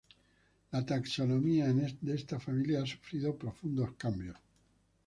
La taxonomía de esta familia ha sufrido profundos cambios.